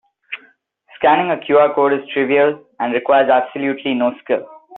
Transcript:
Scanning a QR code is trivial and requires absolutely no skill.